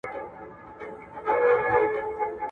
صادقانه کار کول په زړه کې سکون پیدا کوي.